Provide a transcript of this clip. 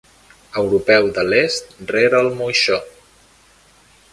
Europeu de l'Est rere el moixó.